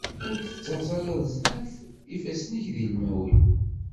Ur d-tettaẓeḍ ara zdat-i ifassen-ik d ilmawen.